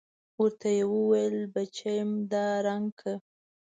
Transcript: ورته يې وويل بچېم دا رنګ کړه.